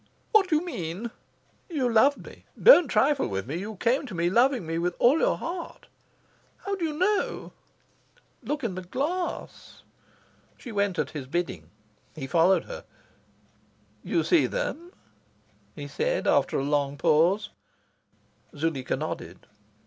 "What do you mean?" "You loved me. Don't trifle with me. You came to me loving me with all your heart." "How do you know?" "Look in the glass." She went at his bidding. He followed her. "You see them?" he said, after a long pause. Zuleika nodded.